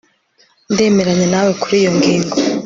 Ndemeranya nawe kuri iyo ngingo